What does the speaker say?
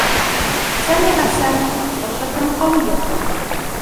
سمع سامي ضجّة قويّة.